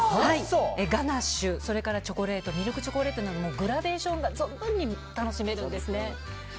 ガナッシュ、チョコレートミルクチョコレートなどグラデーションが存分に楽しめるんですね。